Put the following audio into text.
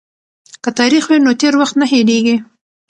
که تاریخ وي نو تیر وخت نه هیریږي.